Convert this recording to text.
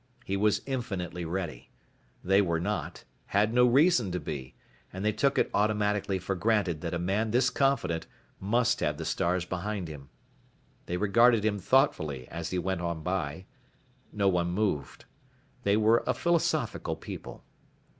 He was infinitely ready. They were not, had no reason to be, and they took it automatically for granted that a man this confident must have the stars behind him. They regarded him thoughtfully as he went on by. No one moved. They were a philosophical people.